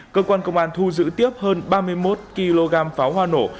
cơ quan công an thu giữ tiếp hơn ba mươi một kg pháo hoa nổ